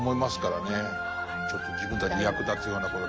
ちょっと自分たちに役立つようなこと